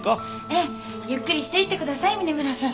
ええ。ゆっくりしていってください峰村さん。